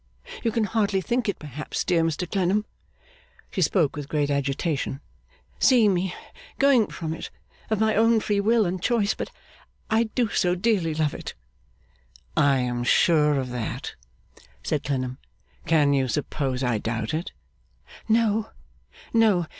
You can hardly think it perhaps, dear Mr Clennam,' she spoke with great agitation, 'seeing me going from it of my own free will and choice, but I do so dearly love it!' 'I am sure of that,' said Clennam. 'Can you suppose I doubt it?' 'No, no.